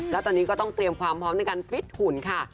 แล้วตอนนี้ก็ต้องเตรียมความพร้อมในการฟิตหุ่นค่ะ